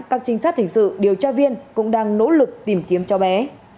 các trinh sát hình sự điều tra viên cũng đang nỗ lực tìm kiếm cho bé